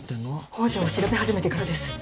宝条を調べ始めてからです